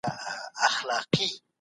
په ژوند کي به له چا څخه شکایت نه کوئ.